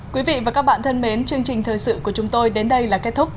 quý vị và các bạn thân mến chương trình thời sự của chúng tôi đến đây là kết thúc